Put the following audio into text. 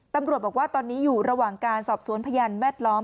ตำรวจบอกว่าตอนนี้อยู่ระหว่างการสอบสวนพยานแวดล้อม